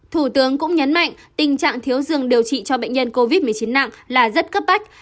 thủ tướng cũng nhấn mạnh tình trạng thiếu dường điều trị cho bệnh nhân covid một mươi chín nặng là rất cấp bách